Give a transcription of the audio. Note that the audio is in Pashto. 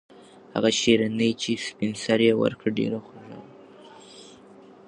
هغه شیرني چې سپین سرې ورکړه ډېره خوږه وه.